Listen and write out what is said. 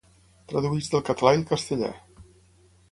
Tradueix del català i el castellà.